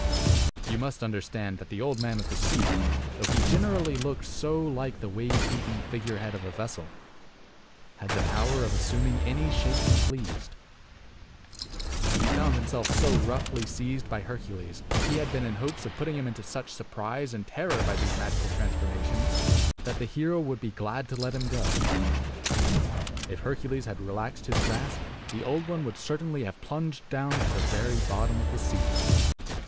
You must understand that the Old Man of the Sea, though he generally looked so like the wave beaten figurehead of a vessel, had the power of assuming any shape he pleased. When he found himself so roughly seized by Hercules, he had been in hopes of putting him into such surprise and terror by these magical transformations that the hero would be glad to let him go. If Hercules had relaxed his grasp, the Old One would certainly have plunged down to the very bottom of the sea.